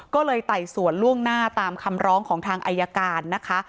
ก็เลยไต่สวนล่วงหน้าตามคำร้องของทางอายการนะคะ